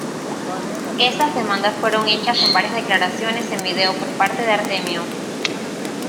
Estas demandas fueron hechas en varias declaraciones en vídeo por parte de Artemio.